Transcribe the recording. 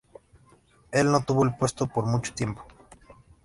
Él no tuvo el puesto por mucho tiempo.